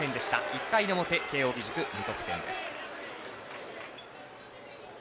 １回の表、慶応義塾無得点です。